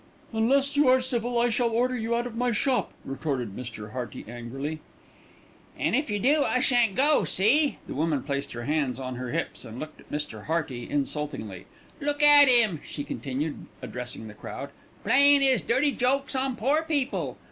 "Unless you are civil I shall order you out of my shop," retorted Mr. Hearty angrily. "An' if yer do I shan't go; see?" The woman placed her hands on her hips and looked at Mr. Hearty insultingly. "Look at 'im," she continued, addressing the crowd, "playin' 'is dirty jokes on pore people.